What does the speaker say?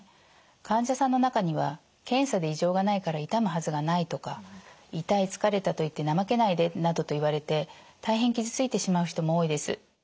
患者さんの中には検査で異常がないから痛むはずがないとか痛い疲れたと言って怠けないでなどと言われて大変傷ついてしまう人も多いです。